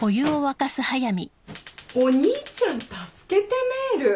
お兄ちゃん助けてメール。